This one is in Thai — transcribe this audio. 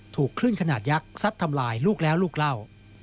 ถูกคลื่นขนาดยักษ์ซัดทำลายลูกแล้วลูกเล่า